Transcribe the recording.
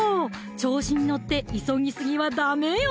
調子に乗って急ぎすぎはダメよ